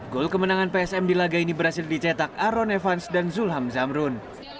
gol kemenangan psm di laga ini berhasil dicetak aron evans dan zulham zamrun